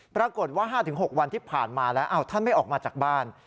ปรากฏว่า๕๖วันที่ผ่านมาแล้วท่านไม่ออกมาจากบ้าน